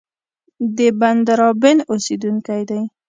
د بندرابن اوسېدونکی دی.